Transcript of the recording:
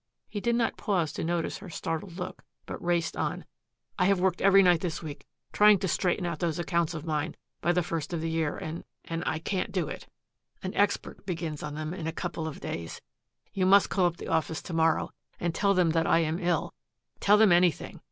He did not pause to notice her startled look, but raced on. "I have worked every night this week trying to straighten out those accounts of mine by the first of the year and and I can't do it. An expert begins on them in a couple of days. You must call up the office to morrow and tell them that I am ill, tell them anything.